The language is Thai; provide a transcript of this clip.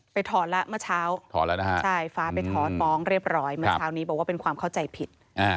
ไปถอนละเมื่อเช้าฟ้าไปถอนฟ้องเรียบร้อยเมื่อเช้านี้บอกว่าเป็นความเข้าใจผิด